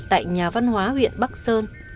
tại nhà văn hóa huyện bắc sơn